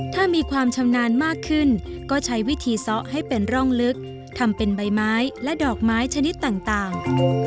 ถ้ามีความชำนาญมากขึ้นก็ใช้วิธีซ้อให้เป็นร่องลึกทำเป็นใบไม้และดอกไม้ชนิดต่าง